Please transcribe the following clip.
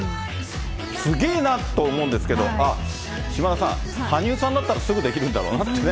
すげーなと思うんですけど、あっ、島田さん、羽生さんだったらすぐできるんだろうなってね。